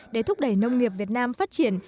để thúc đẩy nông nghiệp việt nam phát triển